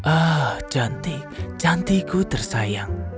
ah cantik cantikku tersayang